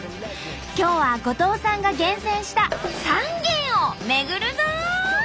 今日は後藤さんが厳選した３軒を巡るぞ！